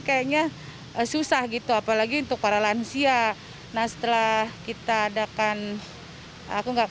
kayaknya susah gitu apalagi untuk para lansia nah setelah kita adakan aku enggak